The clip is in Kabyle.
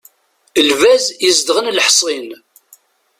Lbaz izedɣen leḥṣin.